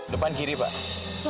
depan kiri pak